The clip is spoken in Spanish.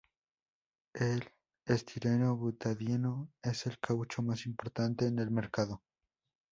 El Estireno Butadieno es el caucho más importante en el mercado.